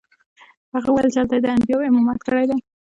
هغه وویل چې هلته یې د انبیاوو امامت کړی دی.